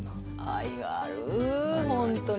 愛がある本当に。